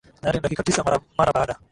tayari ni dakika tisa mara baada